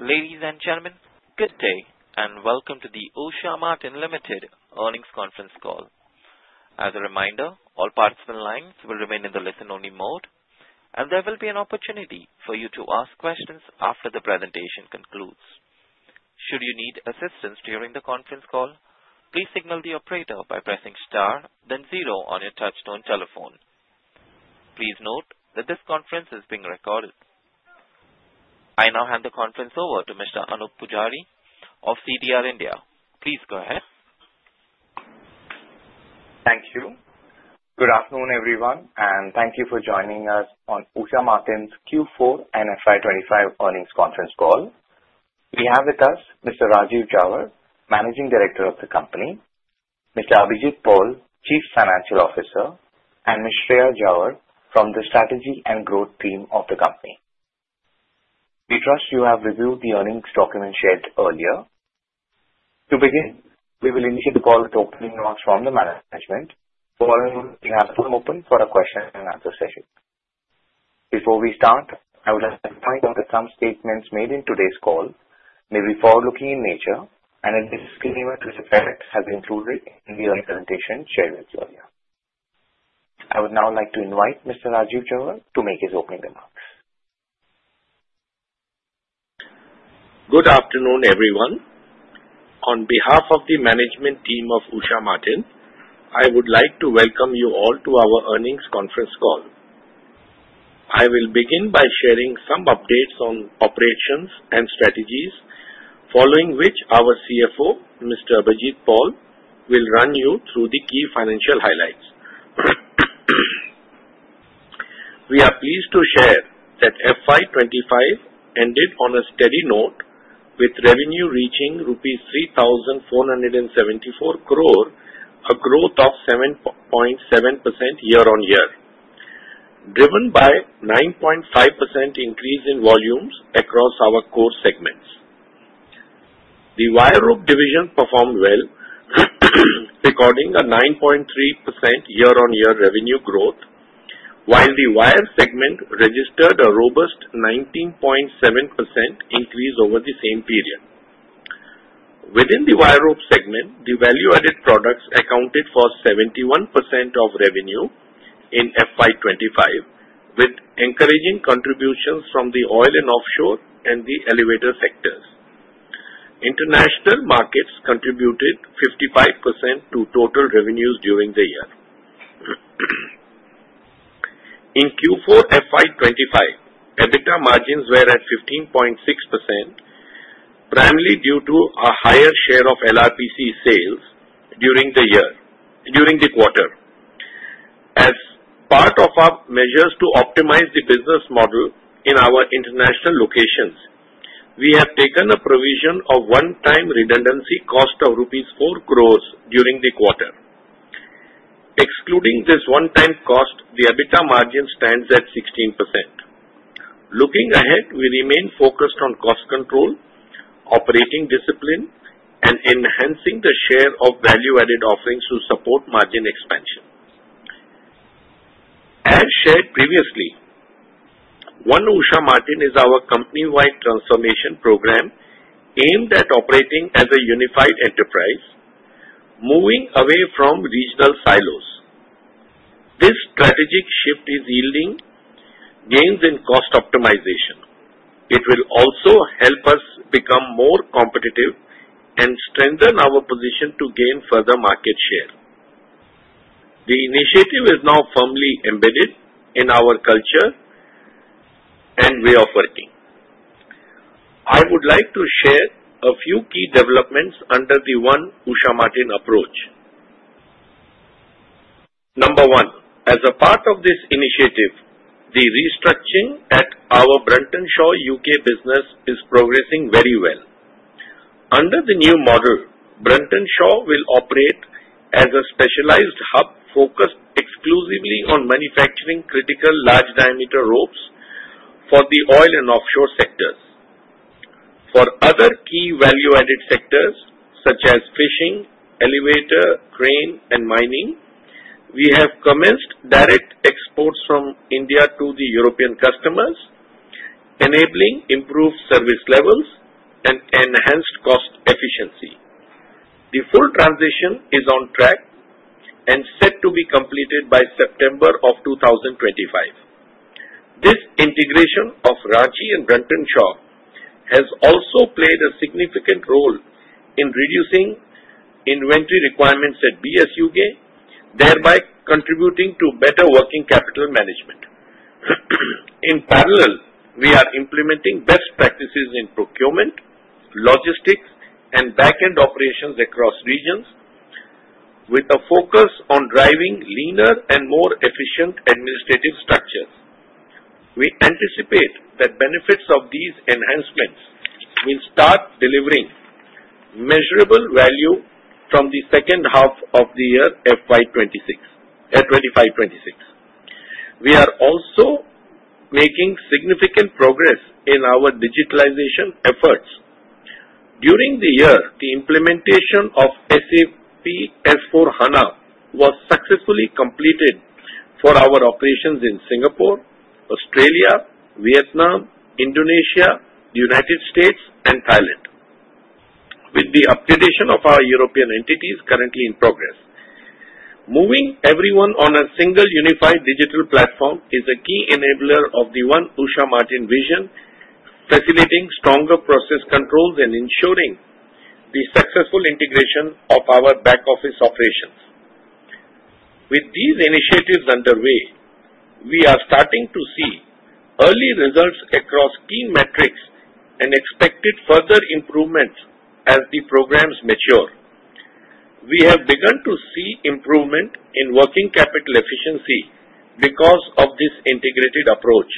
Ladies, and gentlemen, good day and welcome to the Usha Martin Limited Earnings Conference Call. As a reminder, all participant lines will remain in the listen-only mode, and there will be an opportunity for you to ask questions after the presentation concludes. Should you need assistance during the conference call, please signal the operator by pressing star, then zero on your touch-tone telephone. Please note that this conference is being recorded. I now hand the conference over to Mr. Anoop Poojari of CDR India. Please go ahead. Thank you. Good afternoon, everyone, and thank you for joining us on Usha Martin's Q4 and FY 2025 Earnings Conference Call. We have with us Mr. Rajeev Jhawar, Managing Director of the company, Mr. Abhijit Paul, Chief Financial Officer, and Ms. Shreya Jhawar from the Strategy and Growth team of the company. We trust you have reviewed the earnings document shared earlier. To begin, we will initiate the call to opening notes from the management, following which we have room open for a question-and-answer session. Before we start, I would like to point out that some statements made in today's call may be forward-looking in nature, and a disclaimer to this effect has been included in the earnings presentation shared with you earlier. I would now like to invite Mr. Rajeev Jhawar to make his opening remarks. Good afternoon, everyone. On behalf of the management team of Usha Martin, I would like to welcome you all to our earnings conference call. I will begin by sharing some updates on operations and strategies, following which our CFO, Mr. Abhijit Paul, will run you through the key financial highlights. We are pleased to share that FY 2025 ended on a steady note, with revenue reaching rupees 3,474 crore, a growth of 7.7% year-on-year, driven by a 9.5% increase in volumes across our core segments. The wire rope division performed well, recording a 9.3% year-on-year revenue growth, while the wire segment registered a robust 19.7% increase over the same period. Within the wire rope segment, the value-added products accounted for 71% of revenue in FY 2025, with encouraging contributions from the oil and offshore and the elevator sectors. International markets contributed 55% to total revenues during the year. In Q4 FY 2025, EBITDA margins were at 15.6%, primarily due to a higher share of LRPC sales during the quarter. As part of our measures to optimize the business model in our international locations, we have taken a provision of one-time redundancy cost of 4 crores rupees during the quarter. Excluding this one-time cost, the EBITDA margin stands at 16%. Looking ahead, we remain focused on cost control, operating discipline, and enhancing the share of value-added offerings to support margin expansion. As shared previously, One Usha Martin is our company-wide transformation program aimed at operating as a unified enterprise, moving away from regional silos. This strategic shift is yielding gains in cost optimization. It will also help us become more competitive and strengthen our position to gain further market share. The initiative is now firmly embedded in our culture and way of working. I would like to share a few key developments under the One Usha Martin approach. Number one, as a part of this initiative, the restructuring at our Brunton Shaw U.K. business is progressing very well. Under the new model, Brunton Shaw will operate as a specialized hub focused exclusively on manufacturing critical large-diameter ropes for the oil and offshore sectors. For other key value-added sectors, such as fishing, elevator, crane, and mining, we have commenced direct exports from India to the European customers, enabling improved service levels and enhanced cost efficiency. The full transition is on track and set to be completed by September of 2025. This integration of Ranchi and Brunton Shaw has also played a significant role in reducing inventory requirements at BSUK, thereby contributing to better working capital management. In parallel, we are implementing best practices in procurement, logistics, and back-end operations across regions, with a focus on driving leaner and more efficient administrative structures. We anticipate that benefits of these enhancements will start delivering measurable value from the second half of the year, FY 2026. We are also making significant progress in our digitalization efforts. During the year, the implementation of SAP S/4HANA was successfully completed for our operations in Singapore, Australia, Vietnam, Indonesia, the U.S., and Thailand, with the upgrade of our European entities currently in progress. Moving everyone on a single unified digital platform is a key enabler of the One Usha Martin vision, facilitating stronger process controls and ensuring the successful integration of our back-office operations. With these initiatives underway, we are starting to see early results across key metrics and we expect further improvements as the programs mature. We have begun to see improvement in working capital efficiency because of this integrated approach.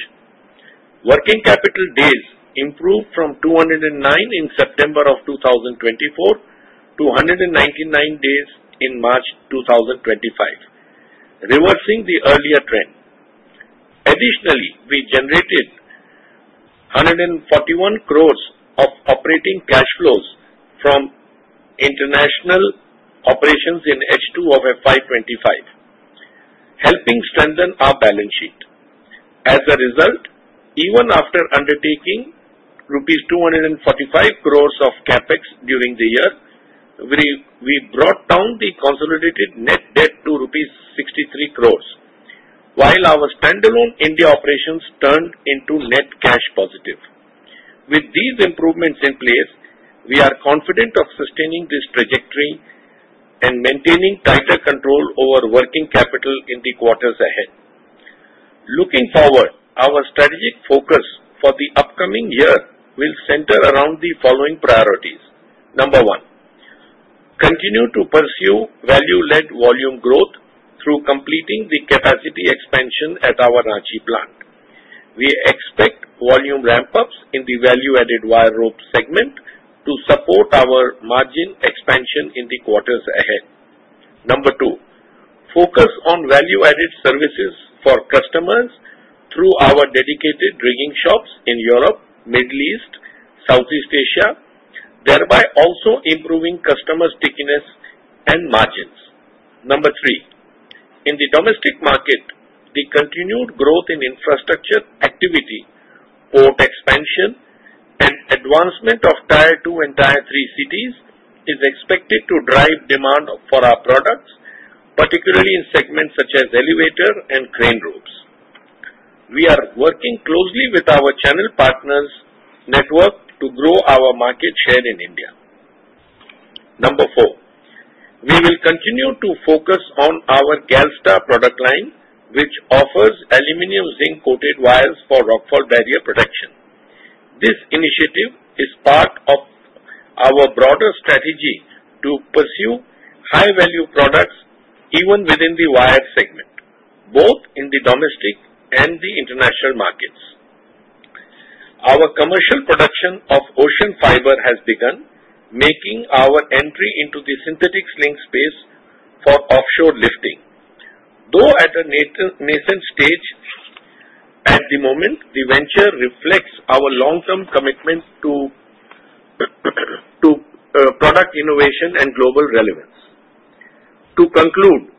Working capital days improved from 209 in September of 2024 to 199 days in March 2025, reversing the earlier trend. Additionally, we generated 141 crores of operating cash flows from international operations in H2 of FY 2025, helping strengthen our balance sheet. As a result, even after undertaking rupees 245 crores of CAPEX during the year, we brought down the consolidated net debt to rupees 63 crores, while our standalone India operations turned into net cash positive. With these improvements in place, we are confident of sustaining this trajectory and maintaining tighter control over working capital in the quarters ahead. Looking forward, our strategic focus for the upcoming year will center around the following priorities: Number one, continue to pursue value-led volume growth through completing the capacity expansion at our Ranchi plant. We expect volume ramp-ups in the value-added wire rope segment to support our margin expansion in the quarters ahead. Number two, focus on value-added services for customers through our dedicated rigging shops in Europe, the Middle East, and Southeast Asia, thereby also improving customer stickiness and margins. Number three, in the domestic market, the continued growth in infrastructure activity, port expansion, and advancement of Tier 2 and Tier 3 cities is expected to drive demand for our products, particularly in segments such as elevator and crane ropes. We are working closely with our channel partners' network to grow our market share in India. Number four, we will continue to focus on our GalStar product line, which offers aluminum-zinc-coated wires for rockfall barrier protection. This initiative is part of our broader strategy to pursue high-value products even within the wire segment, both in the domestic and the international markets. Our commercial production of OceanFibre has begun, making our entry into the synthetic sling space for offshore lifting. Though at a nascent stage at the moment, the venture reflects our long-term commitment to product innovation and global relevance. To conclude,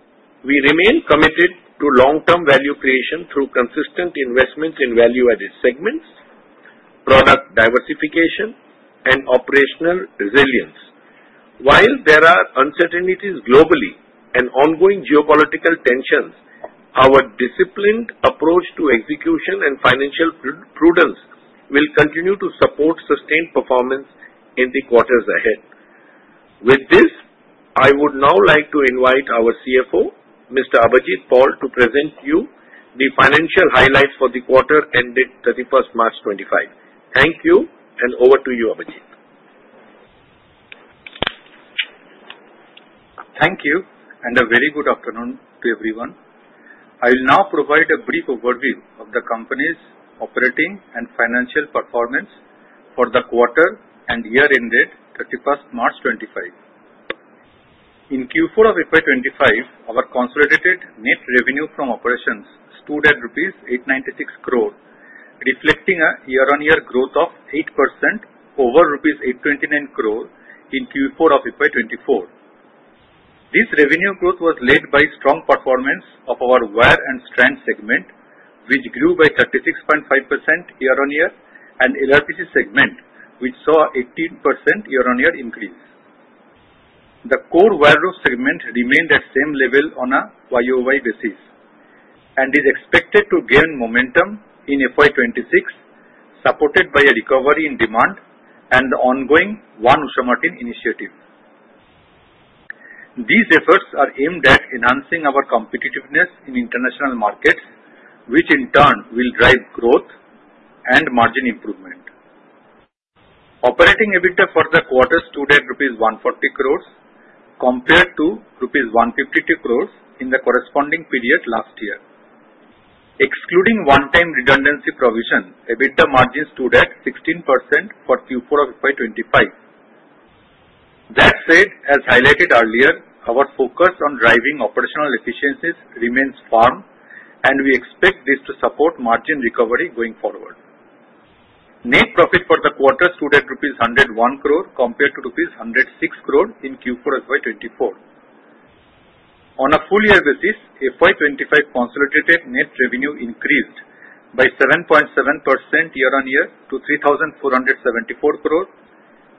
we remain committed to long-term value creation through consistent investments in value-added segments, product diversification, and operational resilience. While there are uncertainties globally and ongoing geopolitical tensions, our disciplined approach to execution and financial prudence will continue to support sustained performance in the quarters ahead. With this, I would now like to invite our CFO, Mr. Abhijit Paul, to present to you the financial highlights for the quarter ended 31st March 2025. Thank you, and over to you, Abhijit. Thank you, and a very good afternoon to everyone. I will now provide a brief overview of the company's operating and financial performance for the quarter and year-end date 31st March 2025. In Q4 of FY 2025, our consolidated net revenue from operations stood at rupees 896 crore, reflecting a year-on-year growth of 8% over rupees 829 crore in Q4 of FY24. This revenue growth was led by strong performance of our wire and strand segment, which grew by 36.5% year-on-year, and LRPC segment, which saw an 18% year-on-year increase. The core wire rope segment remained at the same level on a YOY basis and is expected to gain momentum in FY 2026, supported by a recovery in demand and the ongoing One Usha Martin initiative. These efforts are aimed at enhancing our competitiveness in international markets, which in turn will drive growth and margin improvement. Operating EBITDA for the quarter stood at INR 140 crore, compared to INR 152 crore in the corresponding period last year. Excluding one-time redundancy provision, EBITDA margin stood at 16% for Q4 of FY 2025. That said, as highlighted earlier, our focus on driving operational efficiencies remains firm, and we expect this to support margin recovery going forward. Net profit for the quarter stood at rupees 101 crore, compared to rupees 106 crore in Q4 FY 2024. On a full-year basis, FY 2025 consolidated net revenue increased by 7.7% year-on-year to 3,474 crore,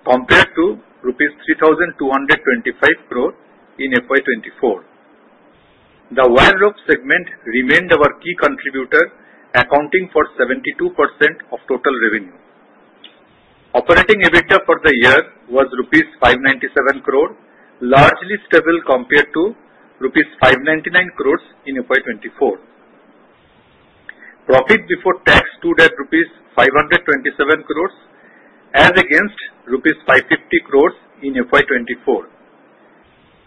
compared to rupees 3,225 crore in FY 2024. The wire rope segment remained our key contributor, accounting for 72% of total revenue. Operating EBITDA for the year was 597 crore rupees, largely stable compared to 599 crore rupees in FY 2024. Profit before tax stood at 527 crore rupees, as against 550 crore rupees in FY 2024.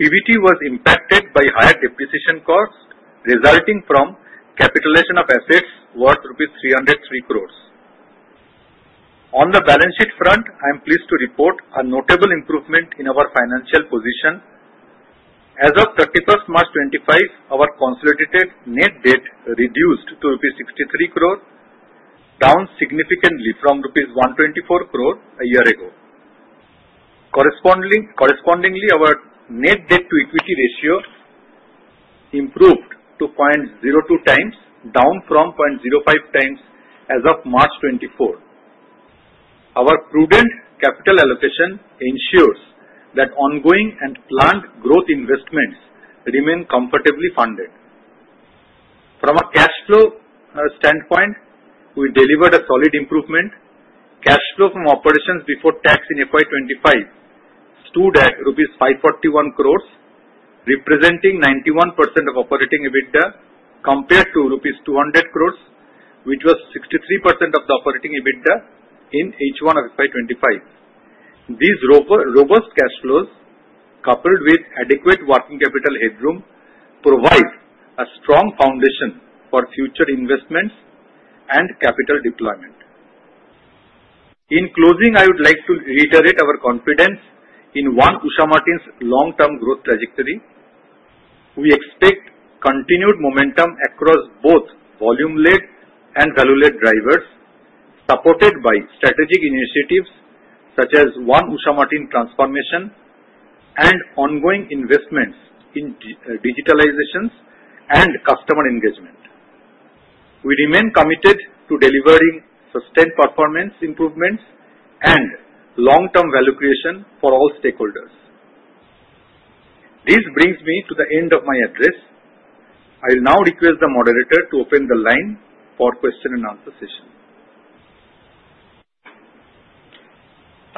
PBT was impacted by higher depreciation cost resulting from capitalization of assets worth INR 303 crore. On the balance sheet front, I am pleased to report a notable improvement in our financial position. As of 31st March 2025, our consolidated net debt reduced to 63 crore rupees, down significantly from 124 crore rupees a year ago. Correspondingly, our net debt-to-equity ratio improved to 0.02 times, down from 0.05 times as of March 2024. Our prudent capital allocation ensures that ongoing and planned growth investments remain comfortably funded. From a cash flow standpoint, we delivered a solid improvement. Cash flow from operations before tax in FY 2025 stood at rupees 541 crore, representing 91% of operating EBITDA compared to rupees 200 crore, which was 63% of the operating EBITDA in H1 of FY 2025. These robust cash flows, coupled with adequate working capital headroom, provide a strong foundation for future investments and capital deployment. In closing, I would like to reiterate our confidence in One Usha Martin's long-term growth trajectory. We expect continued momentum across both volume-led and value-led drivers, supported by strategic initiatives such as One Usha Martin transformation and ongoing investments in digitalization and customer engagement. We remain committed to delivering sustained performance improvements and long-term value creation for all stakeholders. This brings me to the end of my address. I will now request the moderator to open the line for question and answer session.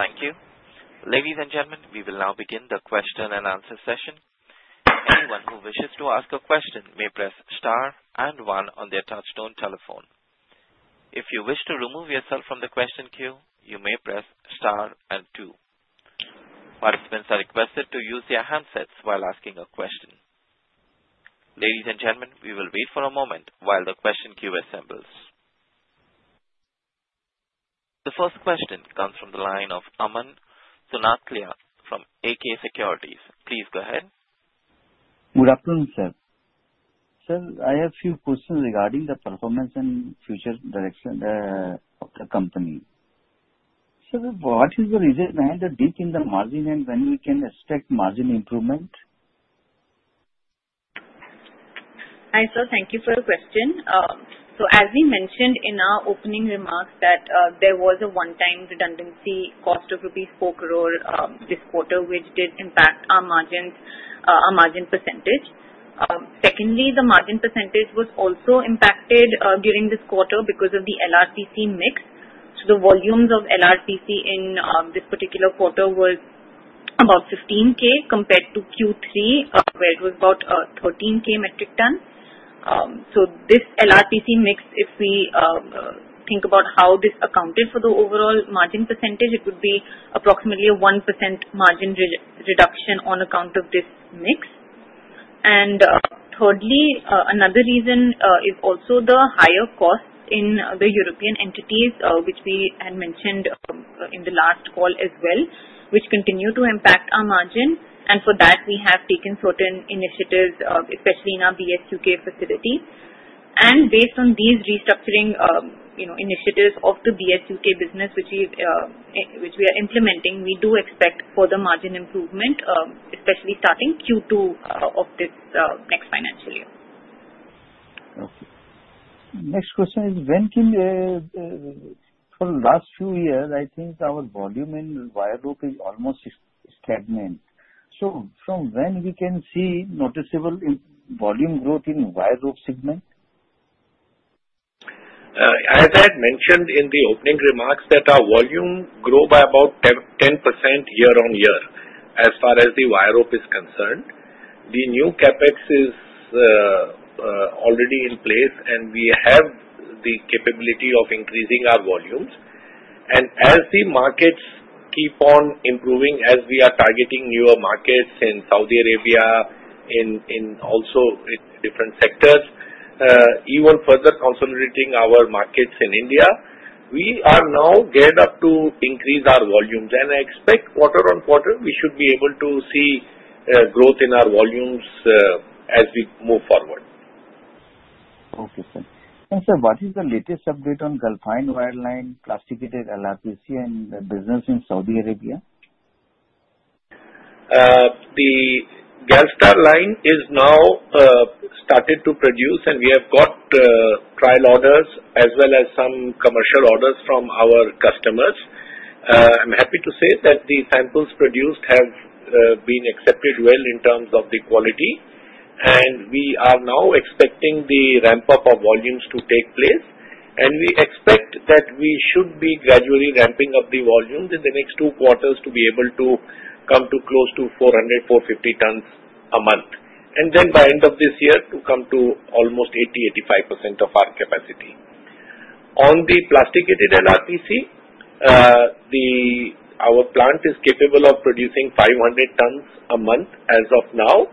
Thank you. Ladies, and gentlemen, we will now begin the question and answer session. Anyone who wishes to ask a question may press star and one on their touch-tone telephone. If you wish to remove yourself from the question queue, you may press star and two. Participants are requested to use their handsets while asking a question. Ladies, and gentlemen, we will wait for a moment while the question queue assembles. The first question comes from the line of Aman Sonthalia from AK Securities. Please go ahead. Good afternoon, sir. Sir, I have a few questions regarding the performance and future direction of the company. Sir, what is the reason behind the dip in the margin and when we can expect margin improvement? Hi, sir. Thank you for your question. So, as we mentioned in our opening remarks, there was a one-time redundancy cost of 4 crore rupees this quarter, which did impact our margin percentage. Secondly, the margin percentage was also impacted during this quarter because of the LRPC mix. So, the volumes of LRPC in this particular quarter were about 15K compared to Q3, where it was about 13K metric tons. So, this LRPC mix, if we think about how this accounted for the overall margin percentage, it would be approximately a 1% margin reduction on account of this mix. And thirdly, another reason is also the higher cost in the European entities, which we had mentioned in the last call as well, which continue to impact our margin. And for that, we have taken certain initiatives, especially in our BSUK facility. Based on these restructuring initiatives of the BSUK business, which we are implementing, we do expect further margin improvement, especially starting Q2 of this next financial year. Okay. Next question is, for the last few years, I think our volume in wire rope is almost stagnant. So, from when we can see noticeable volume growth in wire rope segment? As I had mentioned in the opening remarks, our volume grew by about 10% year-on-year as far as the wire rope is concerned. The new CapEx is already in place, and we have the capability of increasing our volumes. And as the markets keep on improving, as we are targeting newer markets in Saudi Arabia, and also in different sectors, even further consolidating our markets in India, we are now geared up to increase our volumes. And I expect quarter-on-quarter, we should be able to see growth in our volumes as we move forward. Okay, sir. And sir, what is the latest update on Galfan Wireline plasticated LRPC and the business in Saudi Arabia? The GalStar line is now starting to produce, and we have got trial orders as well as some commercial orders from our customers. I'm happy to say that the samples produced have been accepted well in terms of the quality. And we are now expecting the ramp-up of volumes to take place. And we expect that we should be gradually ramping up the volumes in the next two quarters to be able to come close to 400-450 tons a month. And then by end of this year, to come to almost 80%-85% of our capacity. On the plasticated LRPC, our plant is capable of producing 500 tons a month as of now.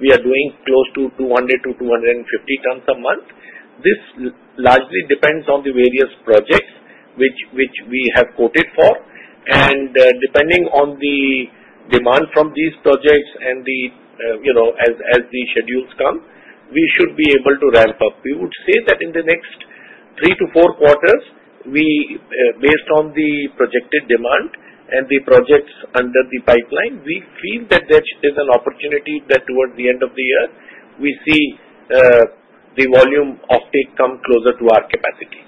We are doing close to 200-250 tons a month. This largely depends on the various projects which we have quoted for. Depending on the demand from these projects and as the schedules come, we should be able to ramp up. We would say that in the next three to four quarters, based on the projected demand and the projects under the pipeline, we feel that there is an opportunity that towards the end of the year, we see the volume uptake come closer to our capacity.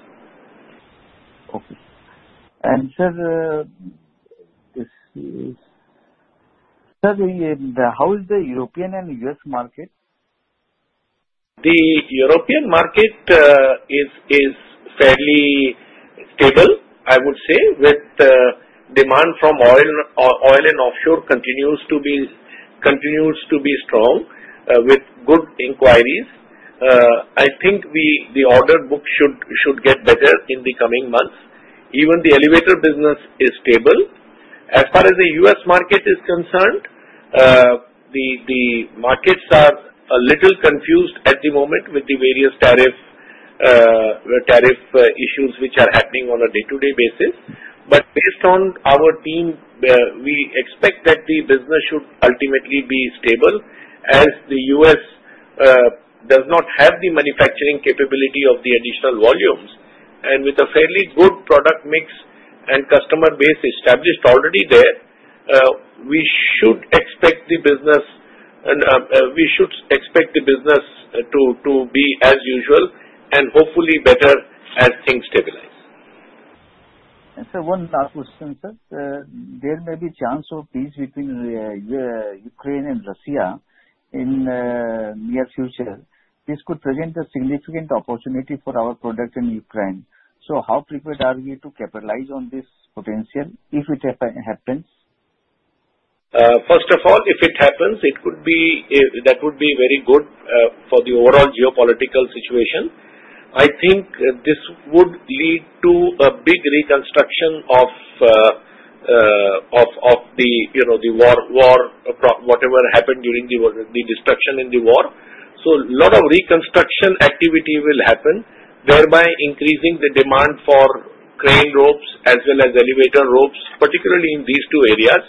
Okay, and sir, how is the European and U.S. market? The European market is fairly stable, I would say, with demand from oil and offshore continues to be strong, with good inquiries. I think the order book should get better in the coming months. Even the elevator business is stable. As far as the U.S. market is concerned, the markets are a little confused at the moment with the various tariff issues which are happening on a day-to-day basis. But based on our team, we expect that the business should ultimately be stable as the U.S. does not have the manufacturing capability of the additional volumes. And with a fairly good product mix and customer base established already there, we should expect the business to be as usual and hopefully better as things stabilize. And sir, one last question, sir. There may be chance of peace between Ukraine and Russia in the near future. This could present a significant opportunity for our product in Ukraine. So how prepared are we to capitalize on this potential if it happens? First of all, if it happens, that would be very good for the overall geopolitical situation. I think this would lead to a big reconstruction of the war, whatever happened during the destruction in the war. So a lot of reconstruction activity will happen, thereby increasing the demand for crane ropes as well as elevator ropes, particularly in these two areas.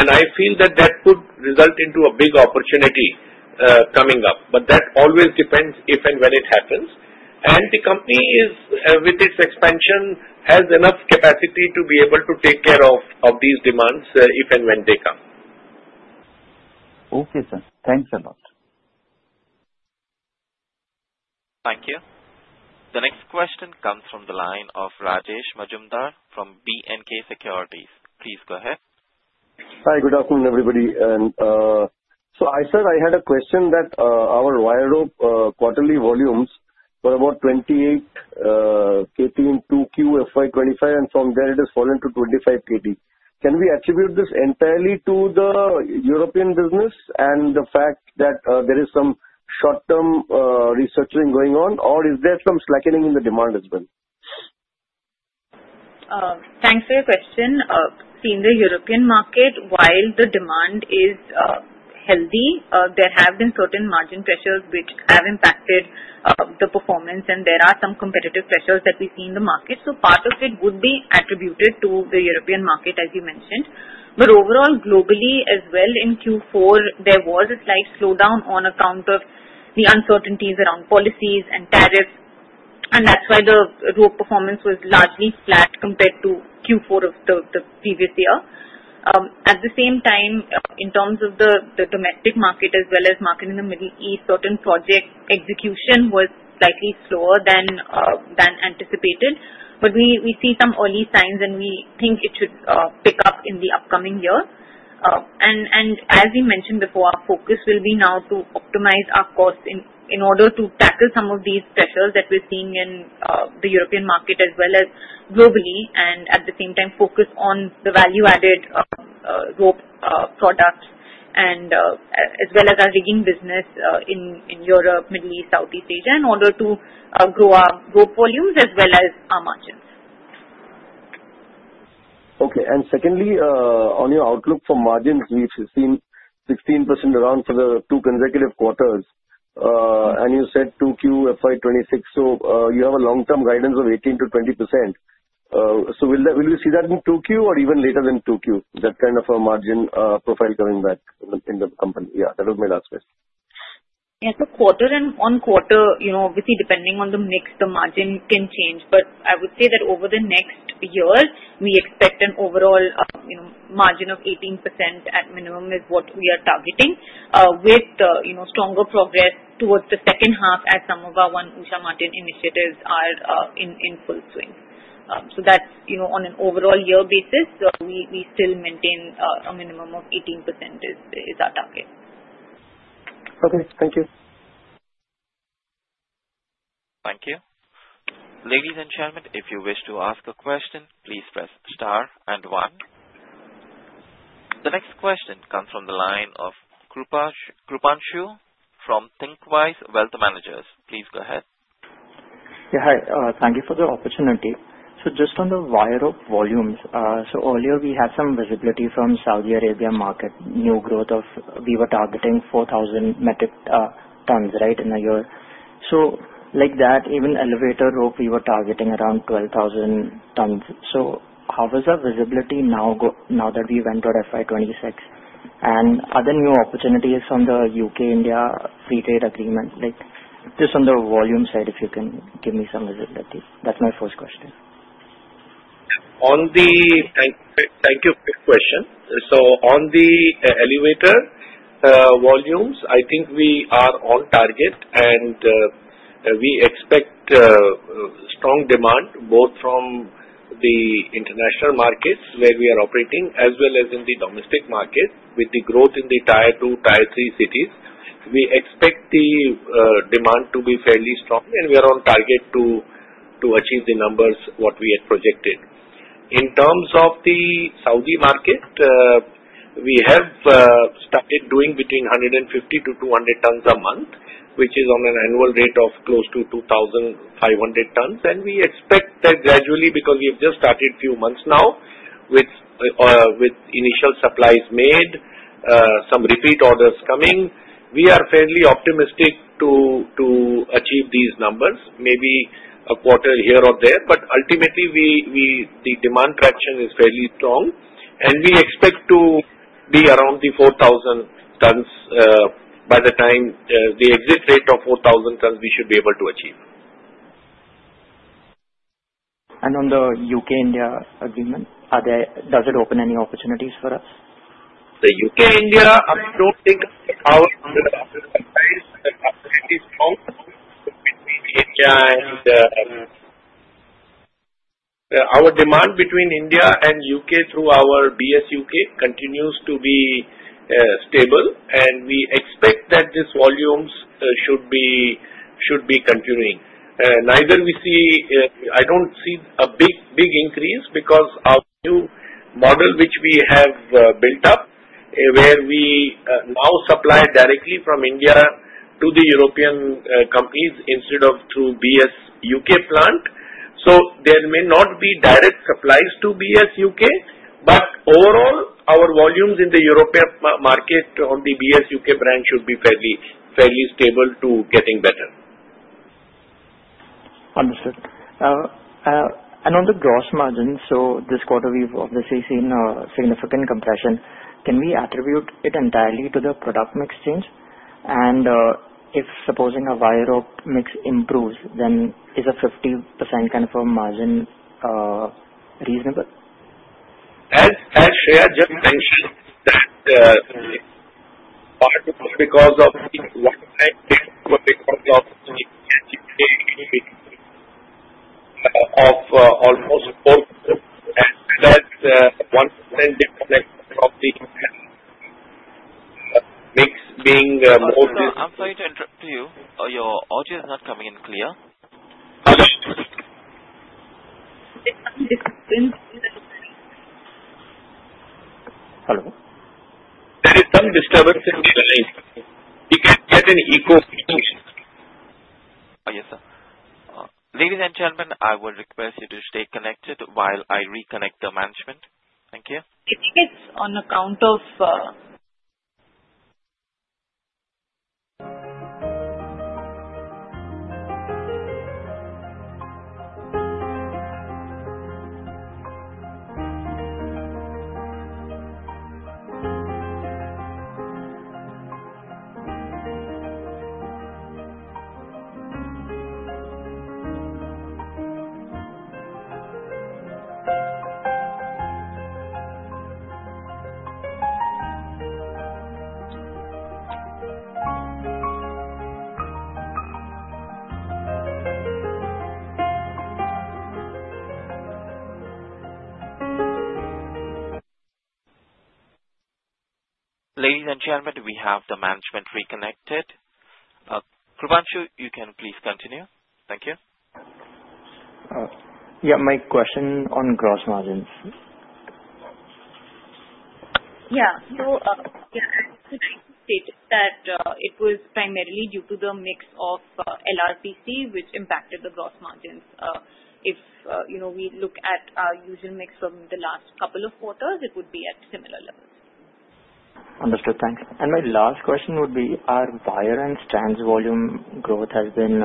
And I feel that that could result into a big opportunity coming up. But that always depends if and when it happens. And the company, with its expansion, has enough capacity to be able to take care of these demands if and when they come. Okay, sir. Thanks a lot. Thank you. The next question comes from the line of Rajesh Majumdar from B & K Securities. Please go ahead. Hi, good afternoon, everybody. So I said I had a question that our wire rope quarterly volumes were about 28 KT in 2Q FY 2025, and from there it has fallen to 25 KT. Can we attribute this entirely to the European business and the fact that there is some short-term restructuring going on, or is there some slackening in the demand as well? Thanks for your question. See, in the European market, while the demand is healthy, there have been certain margin pressures which have impacted the performance, and there are some competitive pressures that we see in the market. So part of it would be attributed to the European market, as you mentioned. But overall, globally as well, in Q4, there was a slight slowdown on account of the uncertainties around policies and tariffs. And that's why the rope performance was largely flat compared to Q4 of the previous year. At the same time, in terms of the domestic market as well as market in the Middle East, certain project execution was slightly slower than anticipated. But we see some early signs, and we think it should pick up in the upcoming year. And as we mentioned before, our focus will be now to optimize our costs in order to tackle some of these pressures that we're seeing in the European market as well as globally, and at the same time, focus on the value-added rope products as well as our rigging business in Europe, Middle East, Southeast Asia in order to grow our rope volumes as well as our margins. Okay. And secondly, on your outlook for margins, we've seen 16% around for the two consecutive quarters. And you said 2Q FY 2026, so you have a long-term guidance of 18%-20%. So will we see that in 2Q or even later than 2Q, that kind of a margin profile coming back in the company? Yeah, that was my last question. Yeah, so quarter and on quarter, obviously, depending on the mix, the margin can change. But I would say that over the next year, we expect an overall margin of 18% at minimum is what we are targeting, with stronger progress towards the second half as some of our One Usha Martin initiatives are in full swing. So that's on an overall year basis. We still maintain a minimum of 18% is our target. Okay. Thank you. Thank you. Ladies and gentlemen, if you wish to ask a question, please press star and one. The next question comes from the line of Krupanshu from Thinqwise Wealth Managers. Please go ahead. Yeah, hi. Thank you for the opportunity. So just on the wire rope volumes, so earlier we had some visibility from Saudi Arabia market, new growth of we were targeting 4,000 metric tons, right, in a year. So like that, even elevator rope, we were targeting around 12,000 tons. So how does our visibility now that we went to FY 2026 and other new opportunities from the U.K.-India Free Trade Agreement? Just on the volume side, if you can give me some visibility. That's my first question. Thank you for your question. So on the elevator volumes, I think we are on target, and we expect strong demand both from the international markets where we are operating as well as in the domestic market with the growth in the tier two, tier three cities. We expect the demand to be fairly strong, and we are on target to achieve the numbers what we had projected. In terms of the Saudi market, we have started doing between 150 to 200 tons a month, which is on an annual rate of close to 2,500 tons. And we expect that gradually because we have just started a few months now with initial supplies made, some repeat orders coming. We are fairly optimistic to achieve these numbers, maybe a quarter here or there. But ultimately, the demand traction is fairly strong, and we expect to be around the 4,000 tons by the time the exit rate of 4,000 tons we should be able to achieve. On the U.K.-India Agreement, does it open any opportunities for us? The U.K.-India, I don't think our demand between India and our demand between India and U.K. through our BSUK continues to be stable. And we expect that these volumes should be continuing. I don't see a big increase because our new model which we have built up, where we now supply directly from India to the European companies instead of through BSUK plant. So there may not be direct supplies to BSUK, but overall, our volumes in the European market on the BSUK brand should be fairly stable to getting better. Understood. And on the gross margin, so this quarter we've obviously seen a significant compression. Can we attribute it entirely to the product mix change? And if supposing our wire rope mix improves, then is a 50% kind of a margin reasonable? As Shreya just mentioned, that's partly because of the one-time gain because of the education mix of almost 4%, and that 1% difference of the mix being more. I'm sorry to interrupt you. Your audio is not coming in clear. Hello? There is some disturbance in the line. You can get an echo change. Yes, sir. Ladies, and gentlemen, I will request you to stay connected while I reconnect the management. Thank you. I think it's on account of. Ladies and gentlemen, we have the management reconnected. Krupanshu, you can please continue. Thank you. Yeah, my question on gross margins. Yeah. So I would like to state that it was primarily due to the mix of LRPC which impacted the gross margins. If we look at our usual mix from the last couple of quarters, it would be at similar levels. Understood. Thanks. And my last question would be, our wire and strands volume growth has been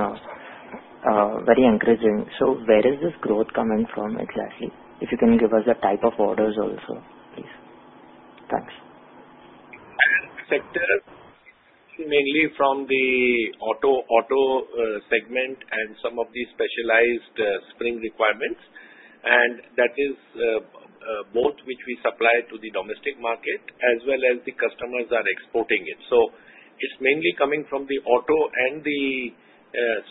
very encouraging. So where is this growth coming from exactly? If you can give us the type of orders also, please. Thanks. Sector, mainly from the auto segment and some of the specialized spring requirements. That is both which we supply to the domestic market as well as the customers are exporting it. It's mainly coming from the auto and the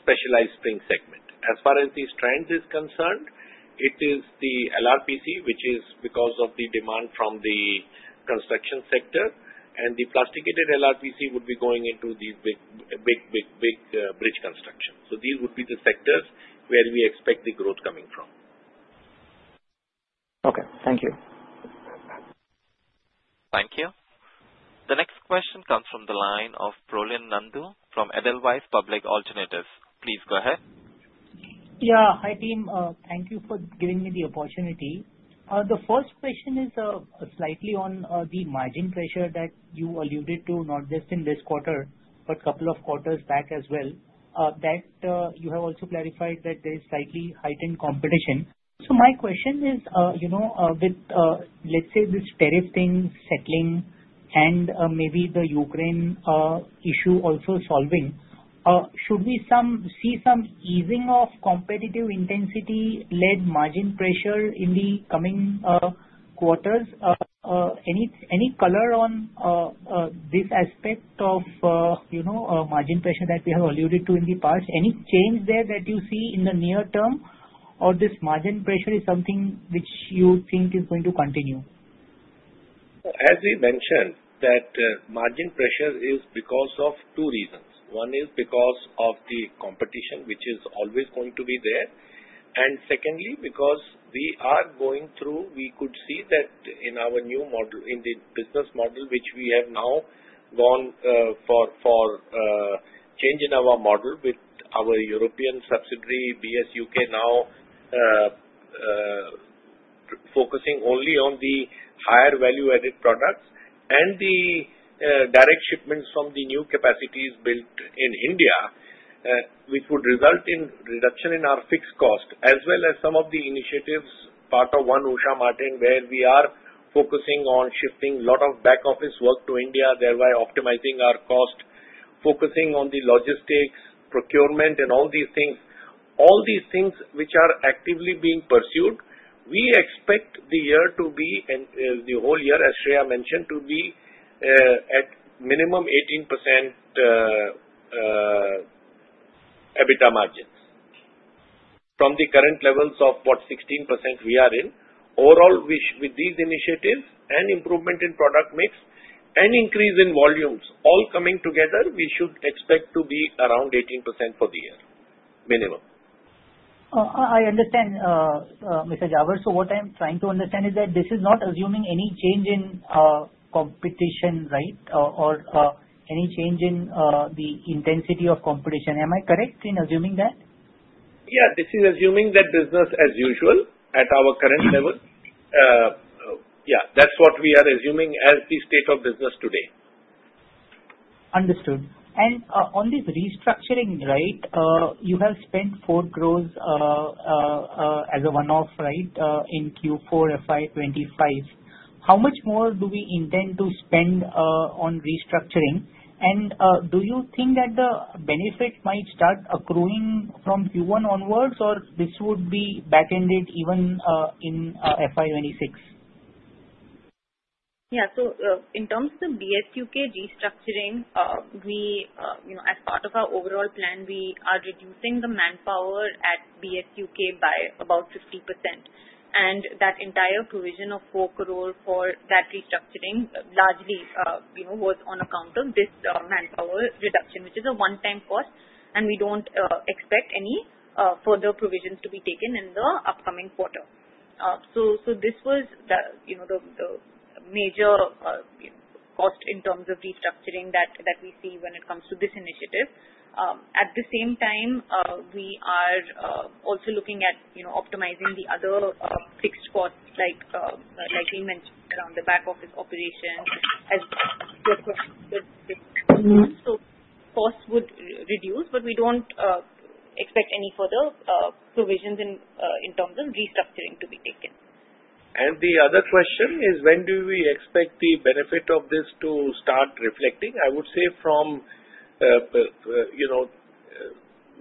specialized spring segment. As far as the strands is concerned, it is the LRPC which is because of the demand from the construction sector, and the plasticated LRPC would be going into these big, big, big bridge construction. These would be the sectors where we expect the growth coming from. Okay. Thank you. Thank you. The next question comes from the line of Prolin Nandu from Edelweiss Public Alternatives. Please go ahead. Yeah. Hi team. Thank you for giving me the opportunity. The first question is slightly on the margin pressure that you alluded to, not just in this quarter but a couple of quarters back as well, that you have also clarified that there is slightly heightened competition. So my question is, with, let's say, this tariff thing settling and maybe the Ukraine issue also solving, should we see some easing of competitive intensity-led margin pressure in the coming quarters? Any color on this aspect of margin pressure that we have alluded to in the past? Any change there that you see in the near term, or this margin pressure is something which you think is going to continue? As we mentioned, that margin pressure is because of two reasons. One is because of the competition which is always going to be there. And secondly, because we are going through, we could see that in our new model, in the business model which we have now gone for change in our model with our European subsidiary BSUK now focusing only on the higher value-added products and the direct shipments from the new capacities built in India, which would result in reduction in our fixed cost, as well as some of the initiatives part of One Usha Martin where we are focusing on shifting a lot of back-office work to India, thereby optimizing our cost, focusing on the logistics, procurement, and all these things. All these things which are actively being pursued, we expect the year to be, and the whole year, as Shreya mentioned, to be at minimum 18% EBITDA margins from the current levels of what 16% we are in. Overall, with these initiatives and improvement in product mix and increase in volumes all coming together, we should expect to be around 18% for the year, minimum. I understand, Mr. Jhawar. So what I'm trying to understand is that this is not assuming any change in competition, right, or any change in the intensity of competition. Am I correct in assuming that? Yeah. This is assuming that business as usual at our current level. Yeah. That's what we are assuming as the state of business today. Understood. And on this restructuring, right, you have spent 4 crores as a one-off, right, in Q4 FY 2025. How much more do we intend to spend on restructuring? And do you think that the benefit might start accruing from Q1 onwards, or this would be back-ended even in FY 2026? Yeah. In terms of the BSUK restructuring, as part of our overall plan, we are reducing the manpower at BSUK by about 50%. And that entire provision of 4 crore for that restructuring largely was on account of this manpower reduction, which is a one-time cost, and we don't expect any further provisions to be taken in the upcoming quarter. This was the major cost in terms of restructuring that we see when it comes to this initiative. At the same time, we are also looking at optimizing the other fixed costs, like we mentioned, around the back-office operation. Costs would reduce, but we don't expect any further provisions in terms of restructuring to be taken. The other question is, when do we expect the benefit of this to start reflecting? I would say from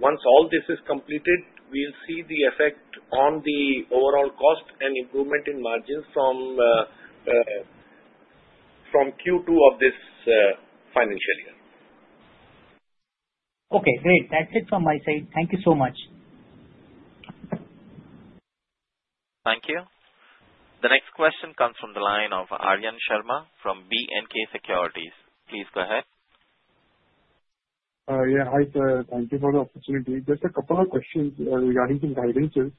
once all this is completed, we'll see the effect on the overall cost and improvement in margins from Q2 of this financial year. Okay. Great. That's it from my side. Thank you so much. Thank you. The next question comes from the line of Aryan Sharma from B & K Securities. Please go ahead. Yeah. Hi. Thank you for the opportunity. Just a couple of questions regarding the guidance.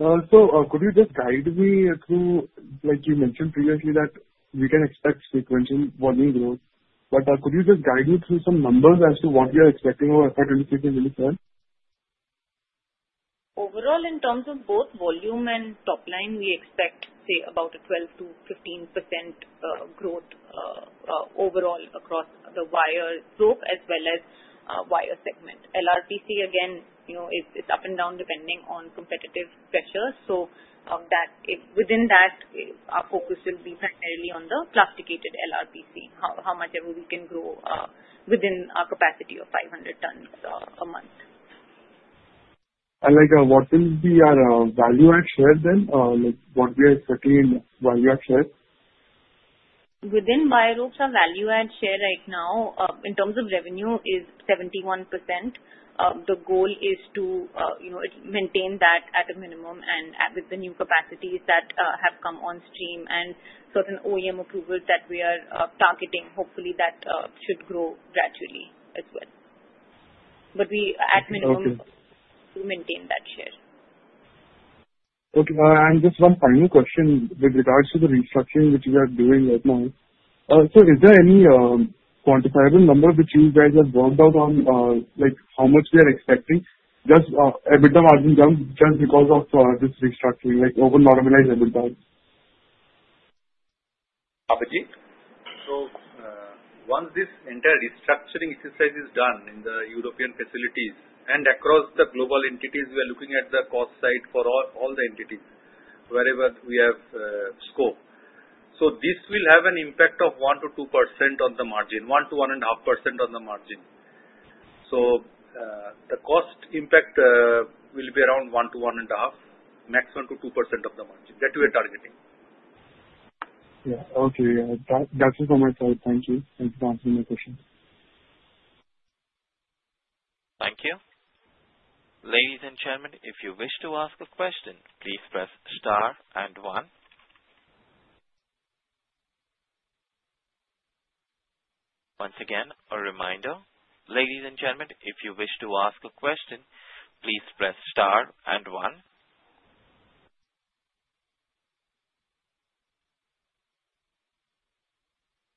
So could you just guide me through, like you mentioned previously, that we can expect sequential volume growth, but could you just guide me through some numbers as to what we are expecting over FY 2026 and FY 2027? Overall, in terms of both volume and top line, we expect, say, about a 12%-15% growth overall across the wire group as well as wire segment. LRPC, again, it's up and down depending on competitive pressure. So within that, our focus will be primarily on the plasticated LRPC, how much we can grow within our capacity of 500 tons a month. What will be our value-add share then? What we are expecting in value-add share? Within wire groups, our value-add share right now, in terms of revenue, is 71%. The goal is to maintain that at a minimum and with the new capacities that have come on stream and certain OEM approvals that we are targeting. Hopefully, that should grow gradually as well. But at minimum, we maintain that share. Okay. And just one final question with regards to the restructuring which we are doing right now. So is there any quantifiable number which you guys have worked out on how much we are expecting? Just EBITDA margin jump just because of this restructuring, over-normalized EBITDA? Abhijit, once this entire restructuring exercise is done in the European facilities and across the global entities, we are looking at the cost side for all the entities wherever we have scope. This will have an impact of 1%-2% on the margin, 1%-1.5% on the margin. The cost impact will be around 1%-1.5, maximum 2% of the margin. That we are targeting. Yeah. Okay. That's it from my side. Thank you. Thank you for answering my question. Thank you. Ladies, and gentlemen, if you wish to ask a question, please press star and one. Once again, a reminder. Ladies and gentlemen, if you wish to ask a question, please press star and one.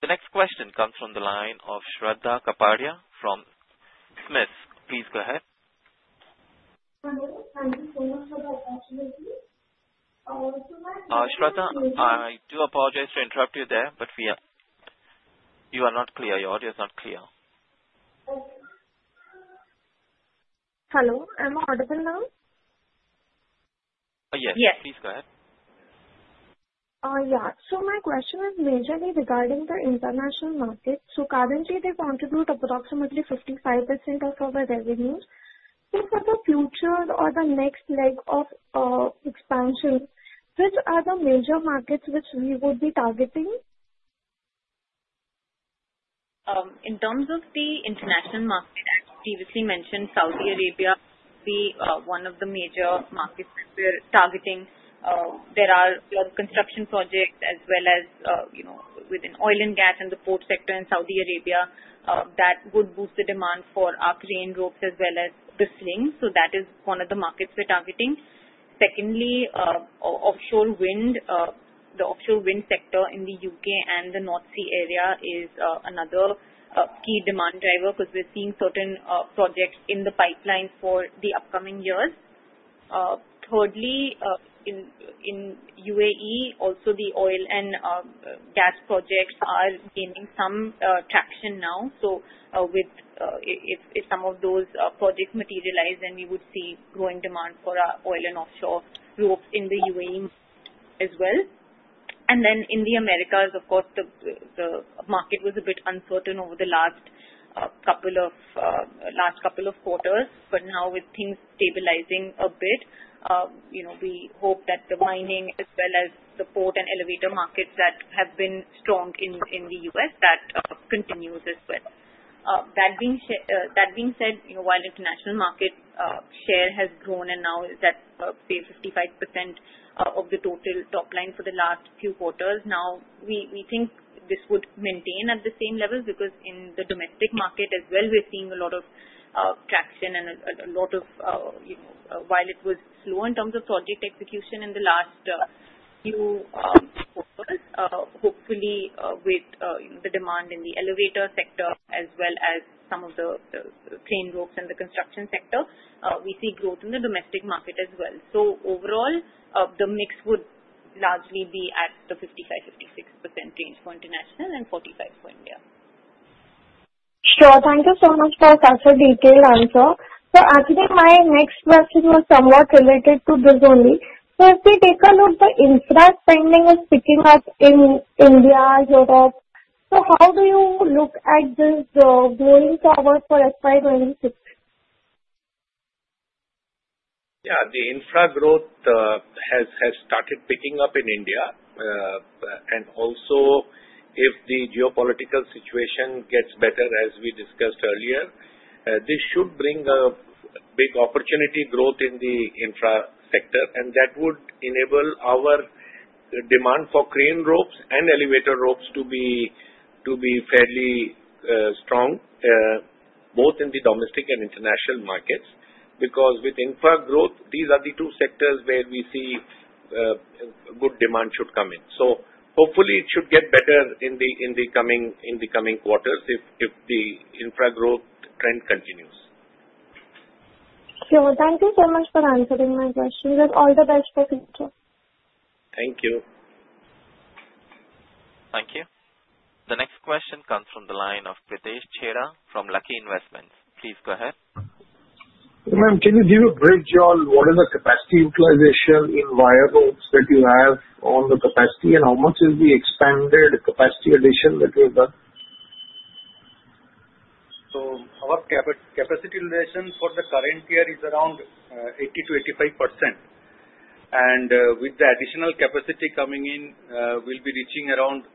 The next question comes from the line of Shraddha Kapadia from SMIFS. Please go ahead. Shraddha, I do apologize to interrupt you there, but you are not clear. Your audio is not clear. Hello. Am I audible now? Yes. Yes. Please go ahead. Yeah. So my question is majorly regarding the international market. So currently, they contribute approximately 55% of our revenue. So for the future or the next leg of expansion, which are the major markets which we would be targeting? In terms of the international market, as previously mentioned, Saudi Arabia would be one of the major markets that we're targeting. There are a lot of construction projects as well as within oil and gas and the port sector in Saudi Arabia that would boost the demand for our crane ropes as well as the sling. So that is one of the markets we're targeting. Secondly, offshore wind. The offshore wind sector in the U.K. and the North Sea area is another key demand driver because we're seeing certain projects in the pipeline for the upcoming years. Thirdly, in UAE, also the oil and gas projects are gaining some traction now. So if some of those projects materialize, then we would see growing demand for our oil and offshore ropes in the UAE as well. And then in the Americas, of course, the market was a bit uncertain over the last couple of quarters. But now, with things stabilizing a bit, we hope that the mining as well as the port and elevator markets that have been strong in the U.S., that continues as well. That being said, while international market share has grown and now is at, say, 55% of the total top line for the last few quarters, now we think this would maintain at the same level because in the domestic market as well, we're seeing a lot of traction and a lot of, while it was slow in terms of project execution in the last few quarters, hopefully, with the demand in the elevator sector as well as some of the crane ropes and the construction sector, we see growth in the domestic market as well. So overall, the mix would largely be at the 55%-56% range for international and 45% for India. Sure. Thank you so much for such a detailed answer. So actually, my next question was somewhat related to this only. So if we take a look, the infra spending is picking up in India, Europe. So how do you look at this growing power for FY 2026? Yeah. The infra growth has started picking up in India, and also, if the geopolitical situation gets better, as we discussed earlier, this should bring a big opportunity growth in the infra sector, and that would enable our demand for crane ropes and elevator ropes to be fairly strong both in the domestic and international markets because with infra growth, these are the two sectors where we see good demand should come in, so hopefully, it should get better in the coming quarters if the infra growth trend continues. Sure. Thank you so much for answering my questions. And all the best for future. Thank you. Thank you. The next question comes from the line of Pritesh Chheda from Lucky Investments. Please go ahead. Ma'am, can you give a brief, what is the capacity utilization in wire ropes that you have on the capacity, and how much is the expanded capacity addition that you have done? So our capacity utilization for the current year is around 80%-85%, and with the additional capacity coming in, we'll be reaching around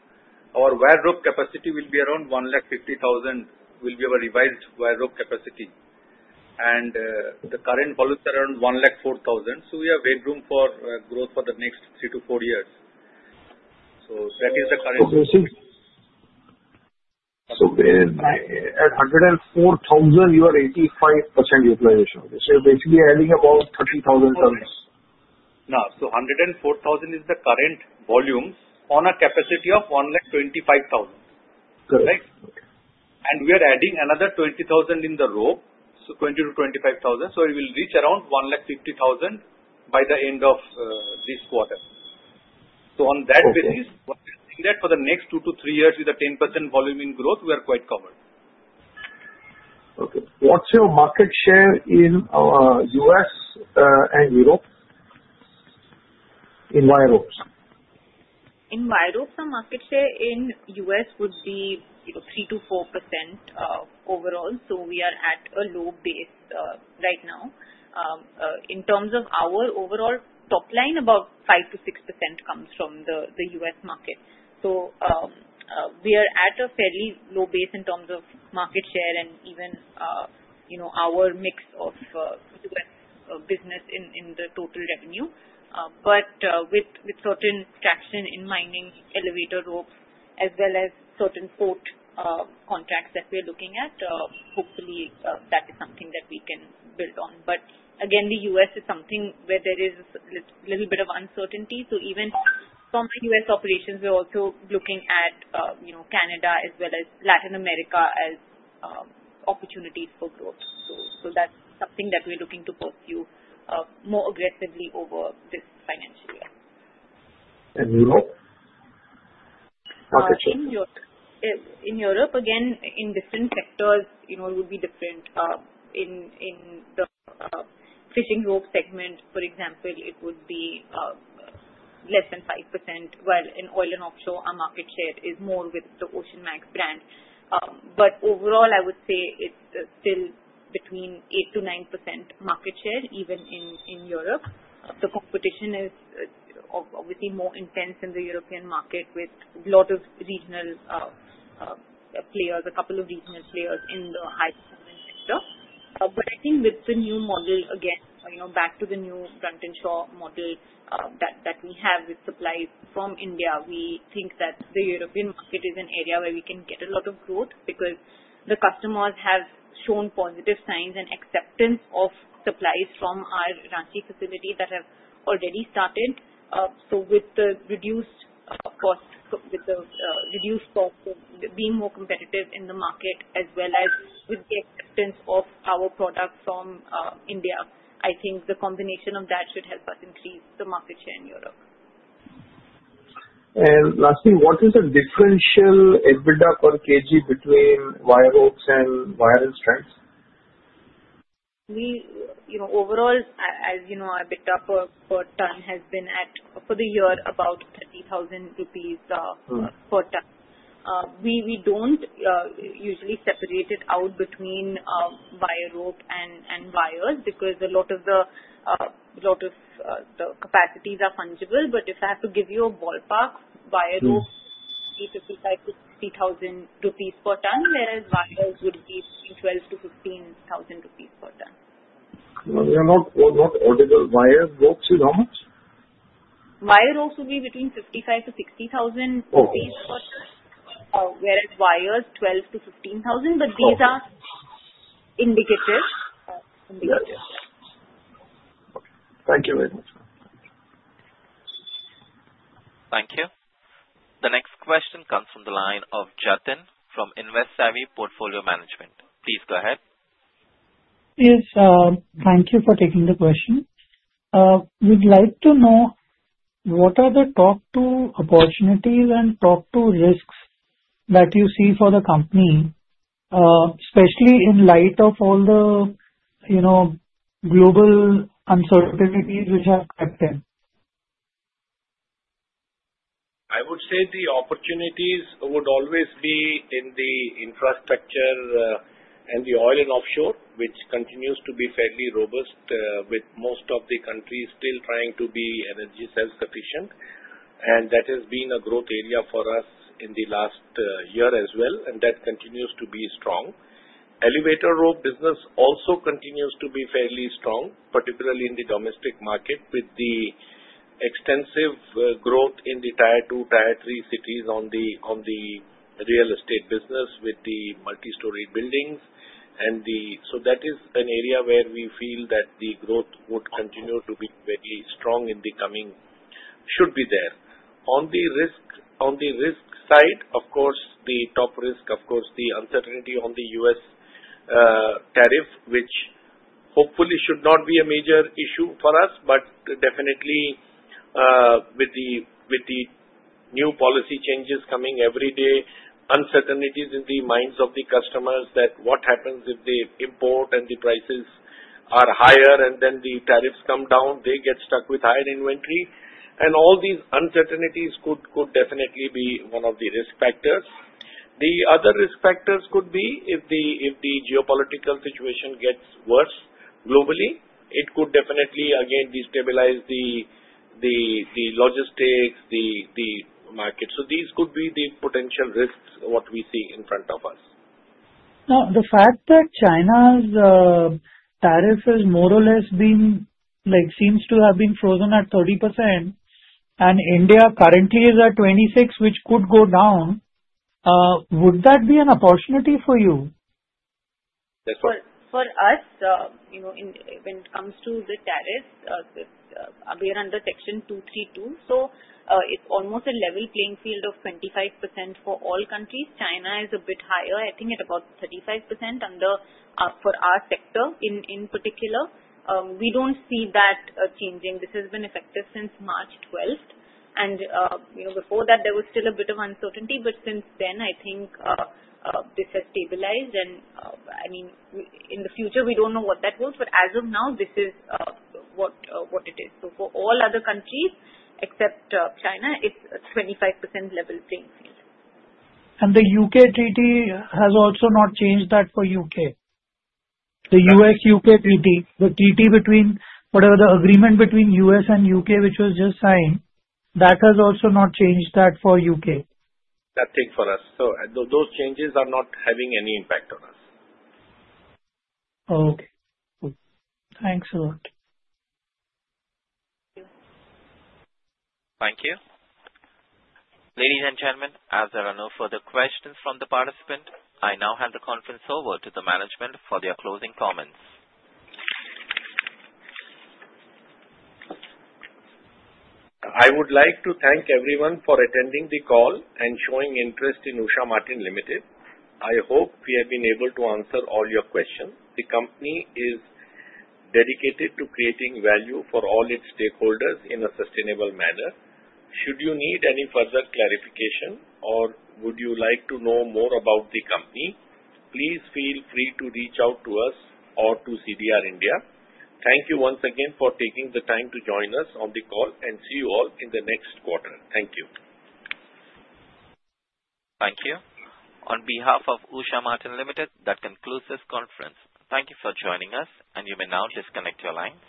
our wire rope capacity will be around 150,000, and the current value is around 104,000, so we have headroom for growth for the next three to four years, so that is the current. So at 104,000, you are 85% utilization. So you're basically adding about 30,000 tons. No. So 104,000 is the current volume on a capacity of 125,000. Right? And we are adding another 20,000 in the rope, so 20,000-25,000. So it will reach around 150,000 by the end of this quarter. So on that basis, we're seeing that for the next two to three years, with a 10% volume in growth, we are quite covered. Okay. What's your market share in U.S. and Europe in wire ropes? In wire ropes, the market share in the U.S. would be 3%-4% overall. So we are at a low base right now. In terms of our overall top line, about 5%-6% comes from the U.S. market. So we are at a fairly low base in terms of market share and even our mix of U.S. business in the total revenue. But with certain traction in mining, elevator ropes, as well as certain port contracts that we're looking at, hopefully, that is something that we can build on. But again, the U.S. is something where there is a little bit of uncertainty. So even from the U.S. operations, we're also looking at Canada as well as Latin America as opportunities for growth. So that's something that we're looking to pursue more aggressively over this financial year. And Europe? In Europe, again, in different sectors, it would be different. In the fishing rope segment, for example, it would be less than 5%, while in oil and offshore, our market share is more with the OceanMAX brand. But overall, I would say it's still between 8%-9% market share, even in Europe. The competition is obviously more intense in the European market with a lot of regional players, a couple of regional players in the high-performing sector. But I think with the new model, again, back to the new onshore model that we have with supplies from India, we think that the European market is an area where we can get a lot of growth because the customers have shown positive signs and acceptance of supplies from our Ranchi facility that have already started. With the reduced cost, being more competitive in the market, as well as with the acceptance of our product from India, I think the combination of that should help us increase the market share in Europe. Lastly, what is the differential EBITDA per kg between wire ropes and wires and strands? Overall, as you know, our EBITDA per ton has been at, for the year, about 30,000 rupees per ton. We don't usually separate it out between wire rope and wires because a lot of the capacities are fungible. But if I have to give you a ballpark, wire ropes would be 55,000-60,000 rupees per ton, whereas wires would be between 12,000-15,000 rupees per ton. Are they not audible? Wire ropes is how much? Wire ropes would be between 55,000-60,000 rupees per ton, whereas wires, 12,000-15,000. But these are indicative. Okay. Thank you very much. Thank you. The next question comes from the line of Jathin from InvestSavvy Portfolio Management. Please go ahead. Yes. Thank you for taking the question. We'd like to know what are the top two opportunities and top two risks that you see for the company, especially in light of all the global uncertainties which have crept in? I would say the opportunities would always be in the infrastructure and the oil and offshore, which continues to be fairly robust, with most of the countries still trying to be energy self-sufficient. And that has been a growth area for us in the last year as well, and that continues to be strong. Elevator rope business also continues to be fairly strong, particularly in the domestic market, with the extensive growth in the tier two, tier three cities on the real estate business, with the multi-story buildings. So that is an area where we feel that the growth would continue to be very strong in the coming. Should be there. On the risk side, of course, the top risk, of course, the uncertainty on the U.S. tariff, which hopefully should not be a major issue for us, but definitely with the new policy changes coming every day, uncertainties in the minds of the customers that what happens if they import and the prices are higher and then the tariffs come down, they get stuck with higher inventory. And all these uncertainties could definitely be one of the risk factors. The other risk factors could be if the geopolitical situation gets worse globally, it could definitely, again, destabilize the logistics, the market. So these could be the potential risks what we see in front of us. Now, the fact that China's tariff has more or less seems to have been frozen at 30%, and India currently is at 26%, which could go down, would that be an opportunity for you? For us, when it comes to the tariffs, we are under Section 232, so it's almost a level playing field of 25% for all countries. China is a bit higher, I think, at about 35% for our sector in particular. We don't see that changing. This has been effective since March 12th, and before that, there was still a bit of uncertainty, but since then, I think this has stabilized, and I mean, in the future, we don't know what that will be, but as of now, this is what it is, so for all other countries except China, it's a 25% level playing field. The U.K. treaty has also not changed that for U.K. The U.S.-U.K. treaty, the treaty between whatever the agreement between U.S. and U.K., which was just signed, that has also not changed that for U.K. Nothing for us. Those changes are not having any impact on us. Okay. Thanks a lot. Thank you. Ladies and gentlemen, as there are no further questions from the participants, I now hand the conference over to the management for their closing comments. I would like to thank everyone for attending the call and showing interest in Usha Martin Limited. I hope we have been able to answer all your questions. The company is dedicated to creating value for all its stakeholders in a sustainable manner. Should you need any further clarification or would you like to know more about the company, please feel free to reach out to us or to CDR India. Thank you once again for taking the time to join us on the call, and see you all in the next quarter. Thank you. Thank you. On behalf of Usha Martin Limited, that concludes this conference. Thank you for joining us, and you may now disconnect your lines.